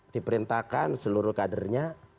diperintahkan seluruh kadernya